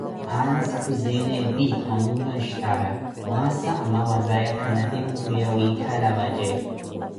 Aana sikhuzeene epi anwula nstaara, mwaasa amamazaya khana tempo ya wiikhala vaje.